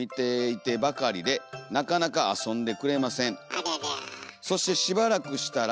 ありゃりゃ。